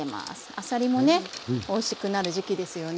あさりもねおいしくなる時期ですよね。